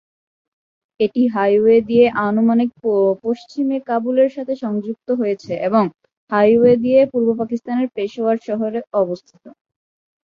এটি হাইওয়ে দিয়ে আনুমানিক পশ্চিমে কাবুলের সাথে সংযুক্ত হয়েছে এবং হাইওয়ে দিয়ে পূর্ব পাকিস্তানের পেশোয়ার শহর অবস্থিত।